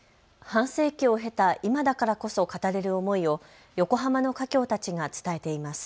半世紀を経た今だからこそ語れる思いを横浜の華僑たちが伝えています。